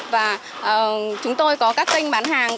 và chúng tôi có các kênh bán hàng